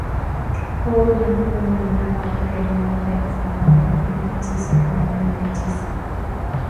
huru na huru mnamo Aprili mwak elfumoja miatisa themanini na tisa